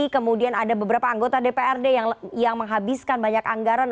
kemudian ada beberapa anggota dprd yang menghabiskan banyak anggaran